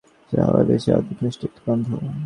সে হাওয়ায় ভেসে এল অদ্ভুত মিষ্টি একটা গন্ধ।